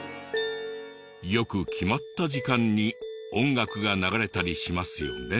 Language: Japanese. よく決まった時間に音楽が流れたりしますよね。